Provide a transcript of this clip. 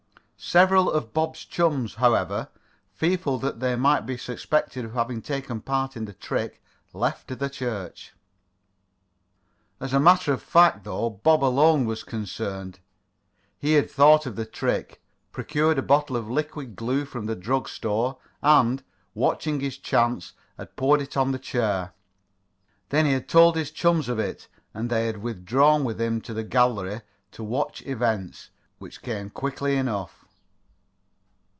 Several of Bob's chums, however, fearful that they might be suspected of having taken part in the trick, left the church. As a matter of fact, though, Bob alone was concerned. He had thought of the trick, procured a bottle of liquid glue from the drug store, and, watching his chance, had poured it on the chair. Then he had told his chums of it, and they had withdrawn with him to the gallery to watch events, which came quickly enough.